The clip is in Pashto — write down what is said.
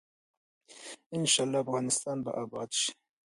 ان شاء الله افغانستان به اباد شي.